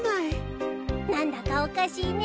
何だかおかしいね。